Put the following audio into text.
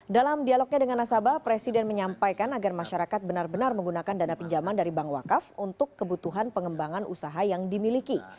dalam dialognya dengan nasabah presiden menyampaikan agar masyarakat benar benar menggunakan dana pinjaman dari bank wakaf untuk kebutuhan pengembangan usaha yang dimiliki